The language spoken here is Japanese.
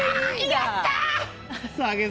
やったー！